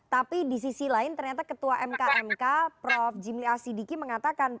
tapi di sisi lain ternyata ketua mk mk prof jimli asidiki mengatakan